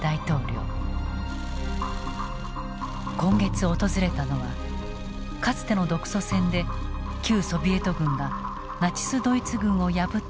今月訪れたのはかつての独ソ戦で旧ソビエト軍がナチス・ドイツ軍を破った激戦地。